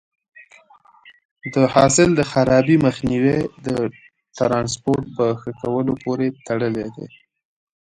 د حاصل د خرابي مخنیوی د ټرانسپورټ په ښه کولو پورې تړلی دی.